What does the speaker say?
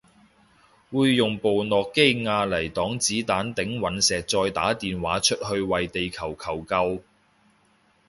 會用部諾基亞嚟擋子彈頂隕石再打電話出去為地球求救